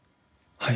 はい。